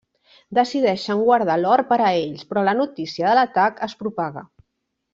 Decideixen guardar l'or per a ells, però la notícia de l'atac es propaga.